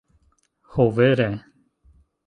Ho, vere?